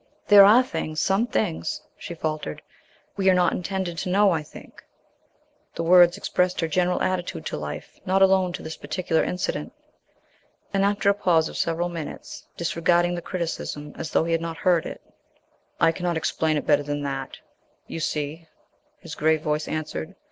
"There are things some things," she faltered, "we are not intended to know, I think." The words expressed her general attitude to life, not alone to this particular incident. And after a pause of several minutes, disregarding the criticism as though he had not heard it "I cannot explain it better than that, you see," his grave voice answered.